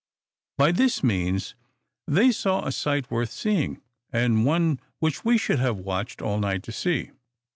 By this means they saw a sight worth seeing, and one which we should have watched all night to see.